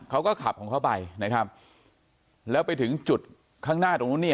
เขาก็ขับของเขาไปนะครับแล้วไปถึงจุดข้างหน้าตรงนู้นเนี่ย